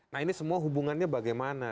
nah ini semua hubungannya bagaimana